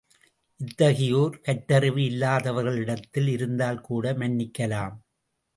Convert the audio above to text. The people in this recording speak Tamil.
இத்தகையோர் கற்றறிவு இல்லாதவர்களிடத்தில் இருந்தால் கூட மன்னிக்கலாம்.